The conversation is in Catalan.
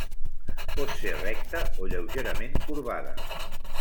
Pot ser recta o lleugerament corbada.